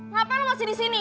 ngapain lo masih disini